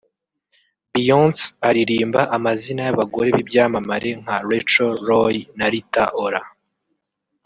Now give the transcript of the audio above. Beyonce aririmba amazina y’abagore b’ibyamamare nka Rachel Roy na Rita Ora